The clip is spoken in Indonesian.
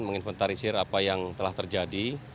menginventarisir apa yang telah terjadi